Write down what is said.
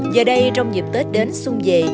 giờ đây trong dịp tết đến xung dề